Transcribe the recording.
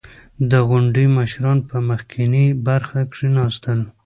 • د غونډې مشران په مخکینۍ برخه کښېناستل.